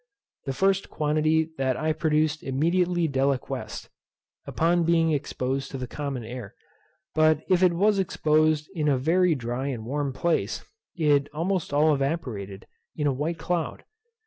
The first quantity that I produced immediately deliquesced, upon being exposed to the common air; but if it was exposed in a very dry and warm place, it almost all evaporated, in a white cloud.